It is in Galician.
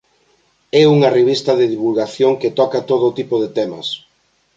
É unha revista de divulgación que toca todo tipo de temas.